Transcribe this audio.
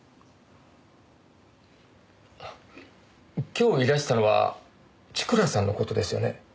今日いらしたのは千倉さんの事ですよね？